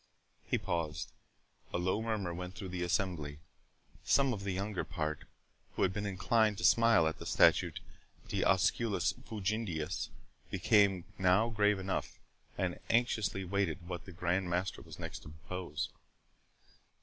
He paused. A low murmur went through the assembly. Some of the younger part, who had been inclined to smile at the statute 'De osculis fugiendis', became now grave enough, and anxiously waited what the Grand Master was next to propose.